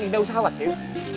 indah usah khawatir